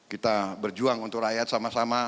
kita berjuang untuk rakyat sama sama